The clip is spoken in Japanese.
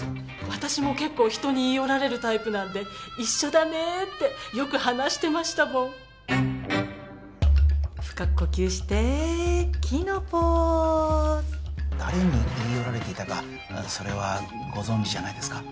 私も結構人に言い寄られるタイプなんで「一緒だね」ってよく話してましたもん深く呼吸してー木のポーズ誰に言い寄られていたかそれはご存じじゃないですか？